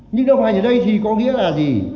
nhưng đồng hành ở đây thì có nghĩa là gì